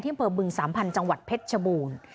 อำเภอบึงสามพันธุ์จังหวัดเพชรชบูรณ์